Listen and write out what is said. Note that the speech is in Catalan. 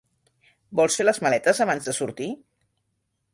Vols fer les maletes abans de sortir?